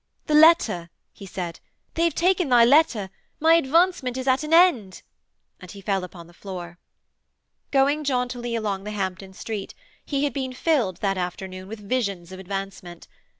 'The letter,' he said. 'They have taken thy letter. My advancement is at an end!' And he fell upon the floor. Going jauntily along the Hampton Street, he had been filled, that afternoon, with visions of advancement.